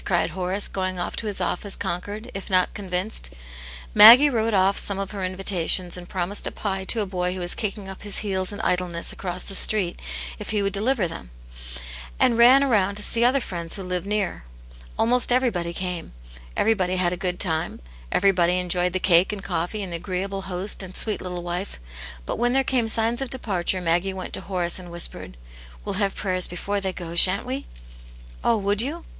cried Horace, going off to his office conquered, if not Convinced. Maggie wrote off some of her invitations, and promised a pie to a boy who was kicking up his heels in idleness across the street if he would deliver them ; and ran round to see other friends who lived near. Almost everybody came ; everybody had a good time ; everybody enjoyed the cake and coffee and the agreeable host . aod sweet little wife. .. But when there came signs of departure, Maggie went to. Horace and whispered :" We'll have prayers before they go, sha'n't wc?" " Oh, would you